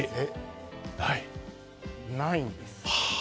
ないんです。